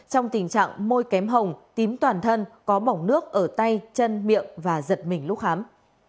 trong tình trạng môi kém hồng tím toàn thân có bỏng nước ở tay chân miệng và giật mình lúc khám